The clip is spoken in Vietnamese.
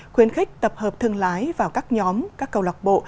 khuyến khích tập hợp thương lái vào các nhóm các cầu lọc bộ